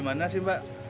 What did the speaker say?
dari mana sih pak